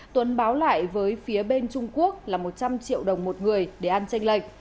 tuấn báo lại với phía bên trung quốc là một trăm linh triệu đồng một người để ăn tranh lệch